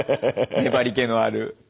粘りけのある。